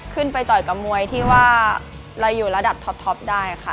ไปต่อยกับมวยที่ว่าเราอยู่ระดับท็อปได้ค่ะ